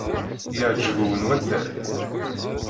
Iεǧeb-wen waddal?